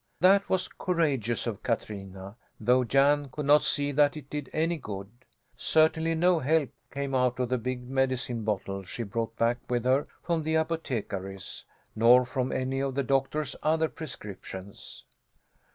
That was courageous of Katrina though Jan could not see that it did any good. Certainly no help came out of the big medicine bottle she brought back with her from the apothecary's, nor from any of the doctor's other prescriptions.